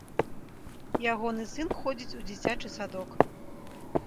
Ягоны сын ходзіць у дзіцячы садок.